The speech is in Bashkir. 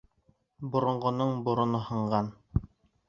Боронғоноң бороно һынған.